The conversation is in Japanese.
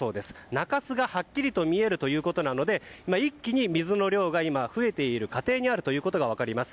中洲がはっきり見えるとのことなので一気に水の量が増えている過程にあるということが分かります。